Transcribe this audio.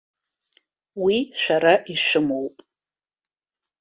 Уи шәара ишәымоуп.